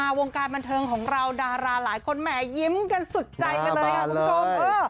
จากวงการบันเทิงของเราดาราหลายคนแหมยิ้มกันสุดใจ๘๔